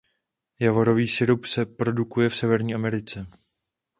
Javorový sirup se produkuje v Severní Americe.